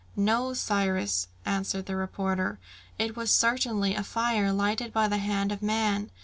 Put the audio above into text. "No, Cyrus," answered the reporter; "it was certainly a fire lighted by the hand of man.